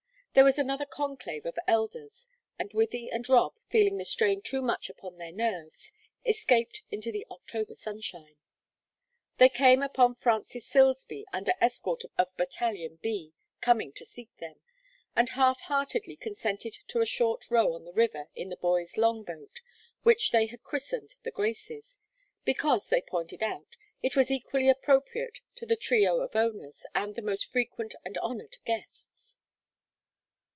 There was another conclave of elders, and Wythie and Rob, feeling the strain too great upon their nerves, escaped into the October sunshine. They came upon Frances Silsby under escort of Battalion B, coming to seek them, and half heartedly consented to a short row on the river in the boys' long boat, which they had christened "The Graces," because, they pointed out, it was equally appropriate to "the trio of owners and the most frequent and honored guests."